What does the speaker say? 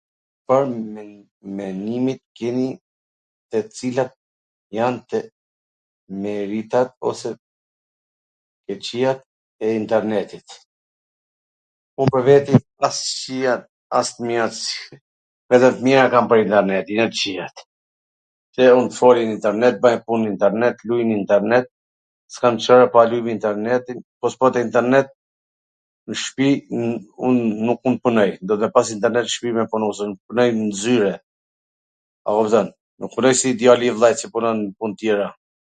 Pwr mendimin kini cilat jan meritat ose tw kwqiat e internetit. Un pwr vete, as qw jan, as t mirat... vetwm tw mira kam prej interneti, jo t kwqiat, se un foli nw internet, baj pun n internet, luj n internet, s kam Cere me ba... luj n internetin, po s pata internet n shpi un nuk mund t punoj, duhet pas internet n shpi me punu, pse un punoj n zyre, a m kupton, nuk punoj si djali i vllait qw punon n pun tjera.